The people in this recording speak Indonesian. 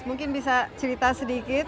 mungkin bisa cerita sedikit